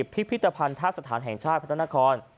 พิพิตภัณฑ์ท่าสถานแห่งชาติพระตนคล